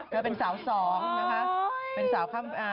เธอเป็นสาวสองนะฮะ